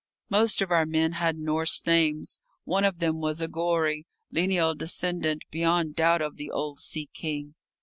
Most of our men had Norse names. One of them was a Gorry, lineal descendant beyond doubt of the old sea king.